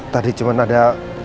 tadi cuman ada